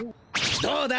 どうだ？